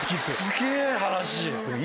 すげぇ話。